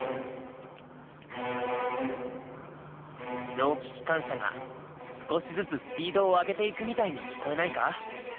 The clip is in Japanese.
蒸気機関車が少しずつスピードを上げていくみたいに聴こえないか？